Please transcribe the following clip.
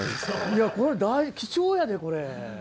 いやこれ大事貴重やでこれ。